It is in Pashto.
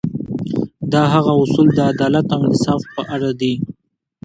د هغه اصول د عدالت او انصاف په اړه دي.